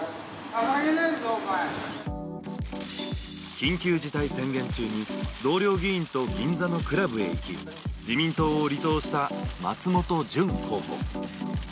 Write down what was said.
緊急事態宣言中に同僚議員と銀座のクラブに行き、自民党を離党した松本純候補。